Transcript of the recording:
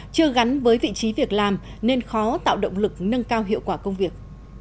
chưa gắn với vị trí việc làm nên khó tạo động lực nâng cao hiệu quả công việc